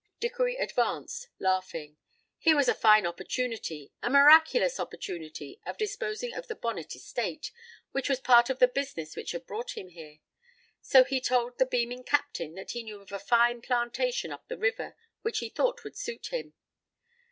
Dickory advanced, laughing. Here was a fine opportunity, a miraculous opportunity, of disposing of the Bonnet estate, which was part of the business which had brought him here. So he told the beaming captain that he knew of a fine plantation up the river, which he thought would suit him.